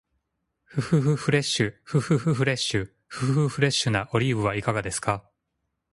ふふふフレッシュ、ふふふフレッシュ、ふふふフレッシュなオリーブいかがですか？